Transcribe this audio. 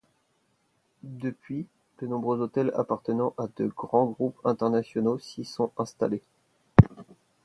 Depuis, de nombreux hôtels appartenant à de grands groupes internationaux s'y sont installés.